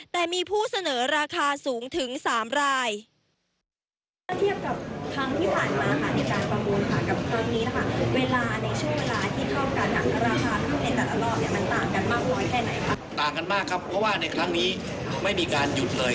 แต่มีผู้เสนอราคาสูงถึง๓ราย